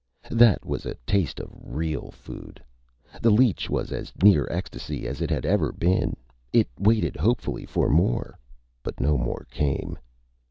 That was a taste of real food! The leech was as near ecstasy as it had ever been. It waited hopefully for more, but no more came.